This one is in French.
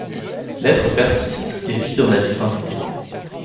L’être persiste et vit dans la difformité